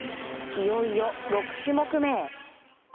いよいよ６種目めへ。